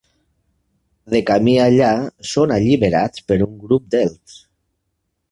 De camí allà, són alliberats per un grup d'elfs.